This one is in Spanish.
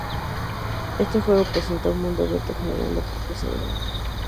Este juego presenta un mundo abierto generado por procedimientos.